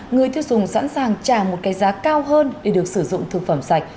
người tiêu dùng sẵn sàng trả một cái giá cao hơn để được sử dụng thực phẩm sạch